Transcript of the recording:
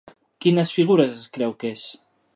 Quines figures es creu que és?